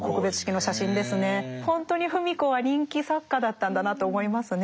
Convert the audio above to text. ほんとに芙美子は人気作家だったんだなと思いますねえ。